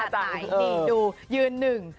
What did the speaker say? ดูยืนหนึ่ง